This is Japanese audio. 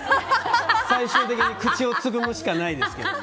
最終的に口をつぐむしかないですけど。